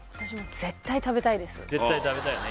絶対食べたいよね